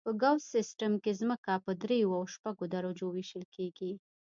په ګوس سیستم کې ځمکه په دریو او شپږو درجو ویشل کیږي